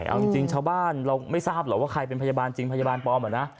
เอาจริงชาวบ้านเราไม่ทราบหรอกว่าใครเป็นพยาบาลจริงพยาบาลปลอมเหรอนะ